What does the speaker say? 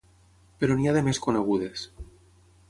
Però n’hi ha de més conegudes.